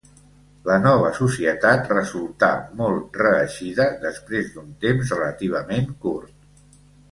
La nova societat resultà molt reeixida després d'un temps relativament curt.